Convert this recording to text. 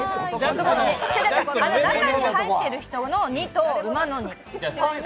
中に入っている人の２と馬の２。